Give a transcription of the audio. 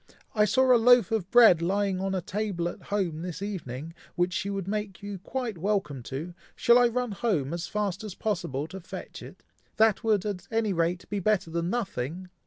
I saw a loaf of bread lying on a table at home this evening, which she would make you quite welcome to! Shall I run home, as fast as possible, to fetch it? That would, at any rate, be better than nothing!"